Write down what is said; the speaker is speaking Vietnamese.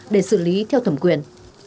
để xử lý theo thẩm quyền